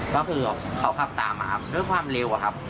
ก็คือเขาขับตามมาครับด้วยความเร็วอะครับ